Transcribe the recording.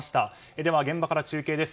では現場から中継です。